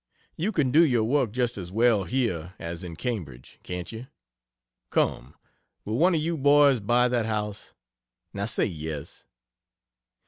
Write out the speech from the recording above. You can do your work just as well here as in Cambridge, can't you? Come, will one of you boys buy that house? Now say yes.